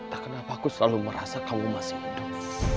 tak kenapa aku selalu merasa kamu masih hidup